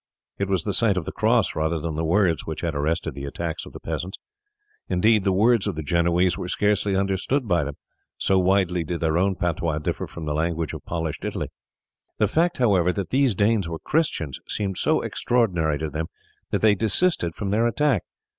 It was the sight of the cross rather than the words which had arrested the attacks of the peasants. Indeed, the words of the Genoese were scarce understood by them, so widely did their own patois differ from the language of polished Italy. The fact, however, that these Danes were Christians seemed so extraordinary to them that they desisted from their attack.